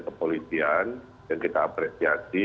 kepolisian yang kita apresiasi